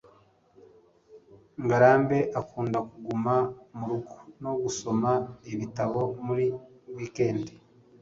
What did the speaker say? ngarambe akunda kuguma murugo no gusoma ibitabo muri wikendi